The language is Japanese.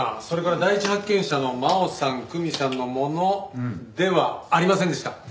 それから第一発見者の真央さん久美さんのものではありませんでした。